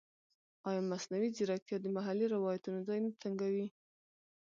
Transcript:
ایا مصنوعي ځیرکتیا د محلي روایتونو ځای نه تنګوي؟